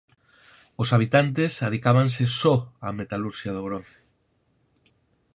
Os habitantes adicábanse só á metalurxia do bronce.